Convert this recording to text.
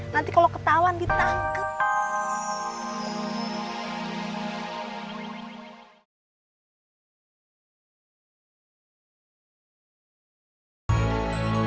nanti kalau ketahuan ditangkap